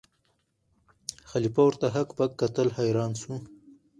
خلیفه ورته هک پک کتل حیران سو